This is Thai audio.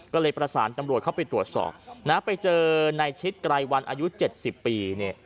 ก็เลยประสานตำรวจเข้าไปตรวจสอบนะไปเจอในชิดไกรวันอายุ๗๐ปีเนี่ย